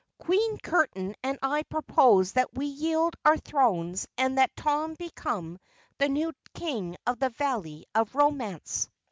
Queen Curtain and I propose that we yield our thrones and that Tom become the new King of the Valley of Romance."